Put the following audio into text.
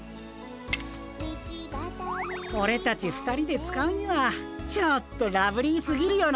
オレたち２人で使うにはちょっとラブリーすぎるよなあ。